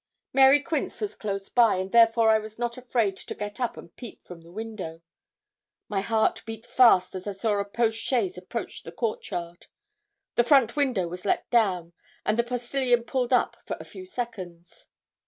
Mary Quince was close by, and therefore I was not afraid to get up and peep from the window. My heart beat fast as I saw a post chaise approach the court yard. A front window was let down, and the postilion pulled up for a few seconds.